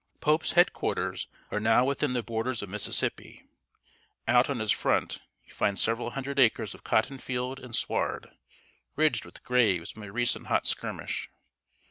Pope's head quarters are now within the borders of Mississippi. Out on his front you find several hundred acres of cotton field and sward, ridged with graves from a recent hot skirmish.